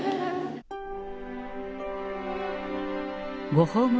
ご訪問